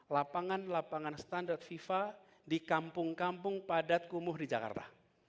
lapangan lapangan standar fifa di kampung kampung padat kumuh di jakarta